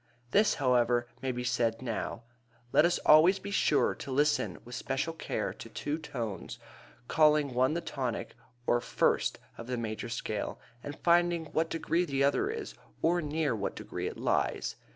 This, however, may be said now: Let us always be sure to listen with special care to two tones, calling one the tonic, or first, of the major scale and finding what degree the other is, or near what degree it lies.